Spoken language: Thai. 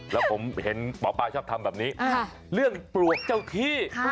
แล้วผมเห็นหมอปลาชอบทำแบบนี้เรื่องปลวกเจ้าที่